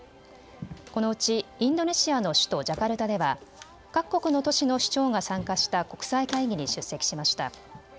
このうちインドネシアの首都ジャカルタでは各国の都市の首長が参加した国際会議に出席しました。